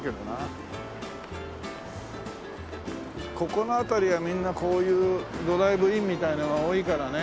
ここの辺りはみんなこういうドライブインみたいなのが多いからね。